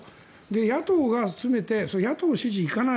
野党が詰めて野党支持に行かない。